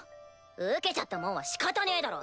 受けちゃったもんはしかたねぇだろ。